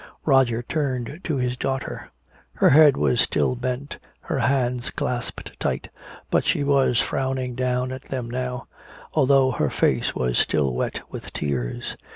Roger turned to his daughter. Her head was still bent, her hands clasped tight, but she was frowning down at them now, although her face was still wet with tears.